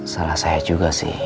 salah saya juga sih